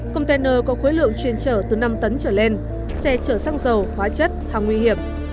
container có khối lượng chuyên trở từ năm tấn trở lên xe chở xăng dầu hóa chất hàng nguy hiểm